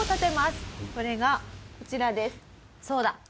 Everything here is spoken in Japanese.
それがこちらです。